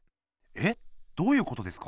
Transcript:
え⁉どういうことですか？